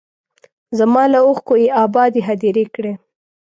زما له اوښکو یې ابادې هدیرې کړې